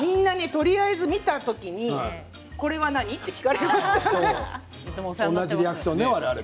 みんな、見た時にこれは何？と聞かれました。